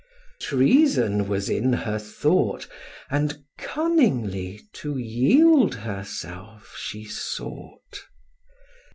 Treason was in her thought, And cunningly to yield herself she sought.